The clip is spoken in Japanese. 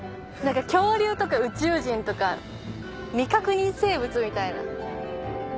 恐竜とか宇宙人とか未確認生物みたいな。